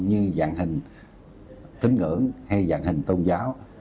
như dạng hình tính ngưỡng hay dạng hình tôn giáo